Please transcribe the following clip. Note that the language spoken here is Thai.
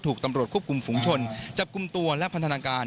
ถูกตำรวจควบคุมฝุงชนจับกลุ่มตัวและพันธนาการ